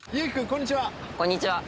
こんにちは。